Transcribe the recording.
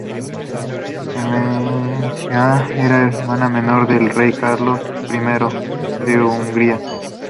Clemencia era hermana menor del rey Carlos I de Hungría.